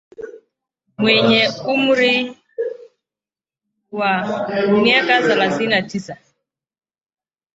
mwenye umri wa miaka thelathini na tisa